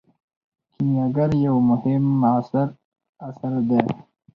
کیمیاګر یو مهم معاصر اثر دی.